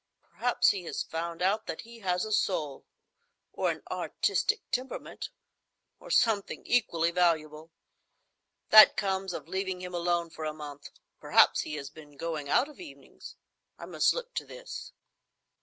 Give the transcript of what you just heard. Perhaps he has found out that he has a soul, or an artistic temperament, or something equally valuable. That comes of leaving him alone for a month. Perhaps he has been going out of evenings. I must look to this."